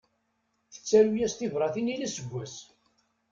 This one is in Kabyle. Tettaru-yas tibratin yal aseggas.